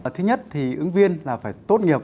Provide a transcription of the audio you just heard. thứ nhất thì ứng viên là phải tốt nghiệp